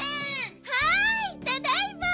はいただいま！